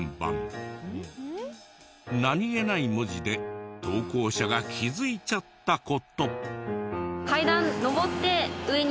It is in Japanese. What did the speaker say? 何げない文字で投稿者が気づいちゃった事。